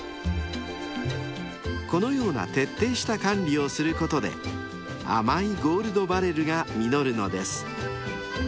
［このような徹底した管理をすることで甘いゴールドバレルが実るのです］